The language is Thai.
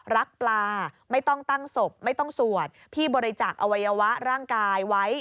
รักปลาไม่ต้องตั้งศพไม่ต้องสวดพี่บริจาคอวัยวะร่างกายไว้